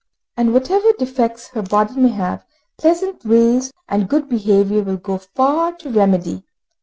And whatever defects her body may have, pleasant ways and good behaviour will go far to remedy them.